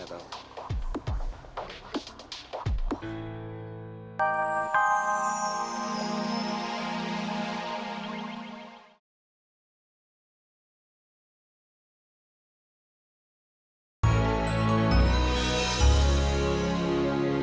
kamu tau gak adriana pergi kemana sekarang